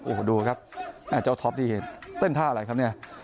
โอ้โหดูครับเจ้าท็อปนี่เต้นท่าอะไรครับเนี่ย